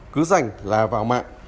cứ dành là vào mạng